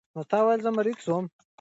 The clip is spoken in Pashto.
راځئ چې دا ژبه نوره هم غني کړو.